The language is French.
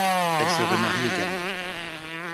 Elle se remarie également.